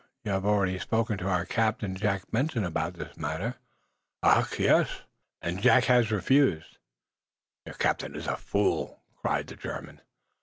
"You have already spoken to our captain, Jack Benson, about this matter." "Ach! Yes." "And Jack has refused." "Your captain is a fool!" cried the German.